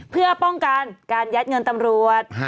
เพื่อป้องกันการยัดเงินตำรวจ